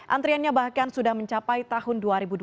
antriannya bahkan sudah mencapai tahun dua ribu dua puluh